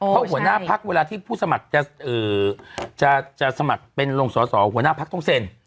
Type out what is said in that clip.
เพราะหัวหน้าพักเวลาที่ผู้สมัครจะสมัครเป็นลงสอสอหัวหน้าพักต้องเซ็น